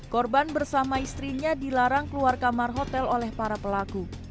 korban bersama istrinya dilarang keluar kamar hotel oleh para pelaku